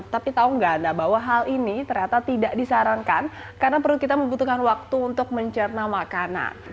tapi tahu nggak bahwa hal ini ternyata tidak disarankan karena perut kita membutuhkan waktu untuk mencerna makanan